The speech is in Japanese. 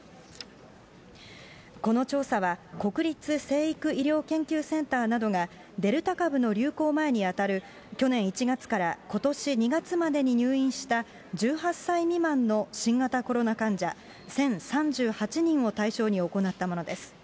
この調査は、国立成育医療研究センターなどが、デルタ株の流行前に当たる去年１月からことし２月までに入院した１８歳未満の新型コロナ患者１０３８人を対象に行ったものです。